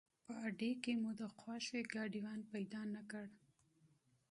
په اډې کې مو د خوښې ګاډیوان پیدا نه کړ.